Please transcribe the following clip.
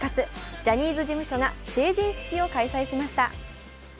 ジャニーズ事務所が成人式を開催しました。